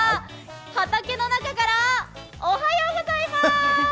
畑の中からおはようございます。